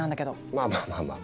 まあまあまあまあ。